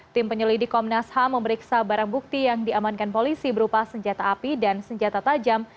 tim penyelidik komnas ham memeriksa barang bukti yang diamankan polisi berupa senjata api dan senjata tajam